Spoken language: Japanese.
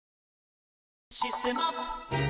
「システマ」